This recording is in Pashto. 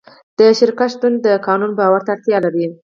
د شرکت شتون د قانون باور ته اړتیا لري.